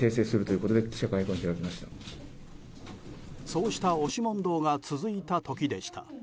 そうした押し問答が続いた時でした。